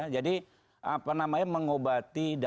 jadi apa namanya mengobati dendam